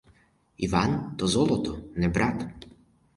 Іван — то золото, не брат.